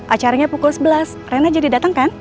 acaranya pukul sebelas rena jadi datang kan